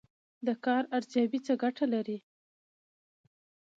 د کار ارزیابي څه ګټه لري؟